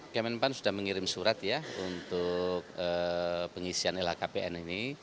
kemenpan sudah mengirim surat ya untuk pengisian lhkpn ini